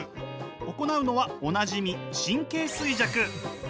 行うのはおなじみ神経衰弱。